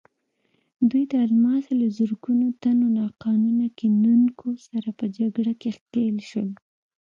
دوی د الماسو له زرګونو تنو ناقانونه کیندونکو سره په جګړه کې ښکېل شول.